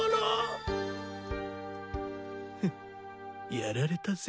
フッやられたぜ。